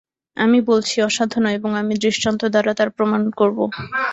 আমি বলছি অসাধ্য নয় এবং আমি দৃষ্টান্ত-দ্বারা তার প্রমাণ করব।